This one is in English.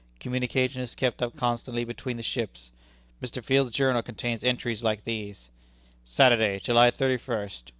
Communication is kept up constantly between the ships. Mr. Field's journal contains entries like these: "Saturday, July thirty first.